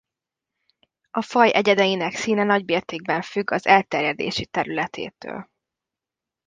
A faj egyedeinek színe nagymértékben függ az elterjedési területétől.